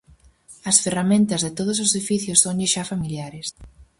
As ferramentas de todos os oficios sonlle xa familiares.